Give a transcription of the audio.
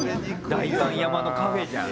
代官山のカフェじゃん。